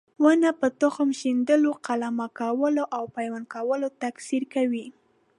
ونې په تخم شیندلو، قلمه کولو او پیوند کولو تکثیر کوي.